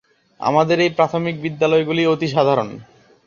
আমাদের এই প্রাথমিক বিদ্যালয়গুলি অতি সাধারণ।